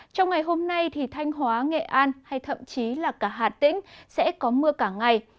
trong ngày hôm nay thì thanh hóa nghệ an hay thậm chí là cả hà tĩnh sẽ có mưa cả ngày